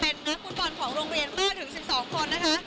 เป็นนักฟุตบอลของโรงเรียนมากถึง๑๒คนนะคะ